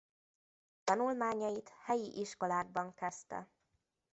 Tanulmányait helyi iskolákban kezdte.